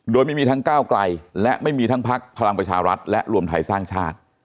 โดยไม่มีทั้งก้าวไกลและไม่มีทั้งพักพลังประชารัฐและรวมไทยสร้างชาติ